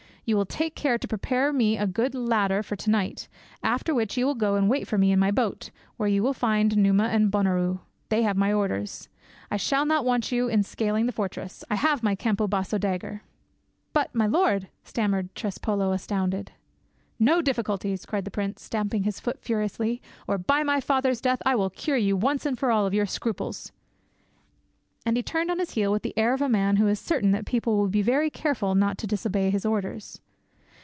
You will take care to prepare me a good ladder for to night; after which you will go and wait for me in my boat, where you will find Numa and Bonaroux. They have my orders. I shall not want you in scaling the fortress; I have my Campo Basso dagger." "But, my lord— " stammered Trespolo, astounded. "No difficulties!" cried the prince, stamping his foot furiously, "or, by my father's death, I will cure you, once for all, of your scruples." And he turned on his heel with the air of a man who is certain that people will be very careful not to disobey his orders.